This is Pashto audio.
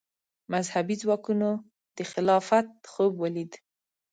مذهبي ځواکونو د خلافت خوب ولید